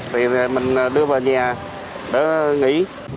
thì mình đưa vào nhà để nghỉ